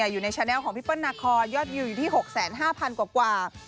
อยู่ในชาแนลของพี่เปิ้ลนาคอยอดวิวอยู่ที่๖๕๐๐กว่า